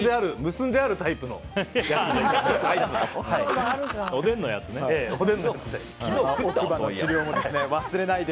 結んであるタイプのやつで。